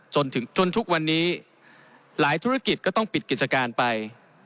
จนทุกวันนี้หลายธุรกิจก็ต้องปิดกิจการไป